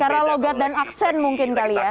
karena logat dan aksen mungkin kali ya